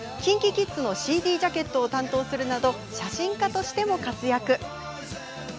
ＫｉｎＫｉＫｉｄｓのＣＤジャケットを担当するなど写真家としても活躍。